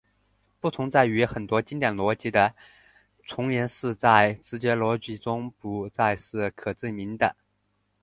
不同在于很多经典逻辑的重言式在直觉逻辑中不再是可证明的。